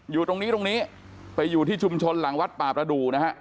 อยู่ตรงนี้ตรงนี้ไปอยู่ที่ชุมชนหลังวัดป่าประดูนะฮะ